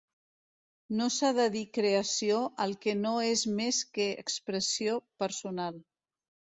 No s'ha de dir creació al que no és més que expressió personal.